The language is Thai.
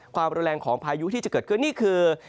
ความรุนแรงของพายุที่จะเกิดขึ้นนี่คือ